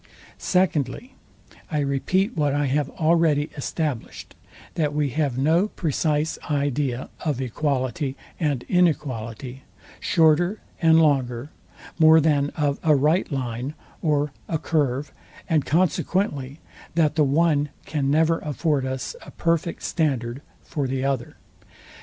Secondly, I repeat what I have already established, that we have no precise idea of equality and inequality, shorter and longer, more than of a right line or a curve; and consequently that the one can never afford us a perfect standard for the other.